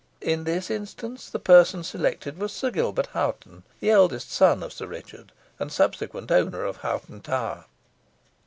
In this instance the person selected was Sir Gilbert Hoghton, the eldest son of Sir Richard, and subsequent owner of Hoghton Tower.